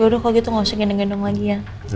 loh udah kalau gitu nggak usah gendong gendong lagi ya